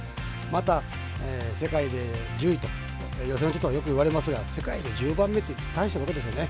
また世界で１０位と予選落ちとかよくいわれますが世界で１０番目って大したことですよね。